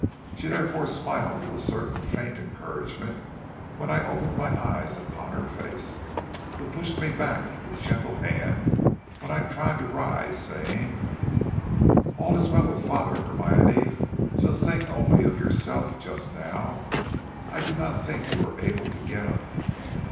"She therefore smiled with a certain faint encouragement when I opened my eyes upon her face, but pushed me back with gentle hand when I tried to rise, saying: "'All is well with father, Hermione, so think only of yourself just now; I do not think you are able to get up.'